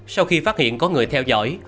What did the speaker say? sau khi phát hiện có người theo dõi